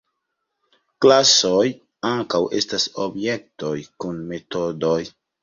Klasoj ankaŭ estas objektoj kun metodoj.